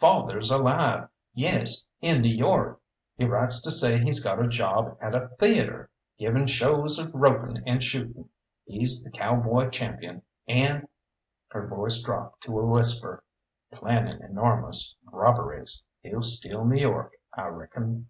Father's alive, yes, in New York. He writes to say he's got a job at a theatre, giving shows of roping and shooting. He's the Cowboy Champion, and" her voice dropped to a whisper "planning enormous robberies. He'll steal New York, I reckon."